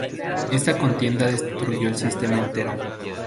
Esta contienda destruyó el sistema entero.